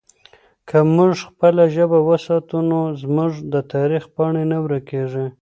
که موږ خپله ژبه وساتو نو زموږ د تاریخ پاڼې نه ورکېږي.